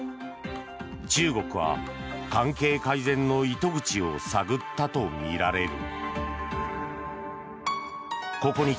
中国は関係改善の糸口を探ったとみられる。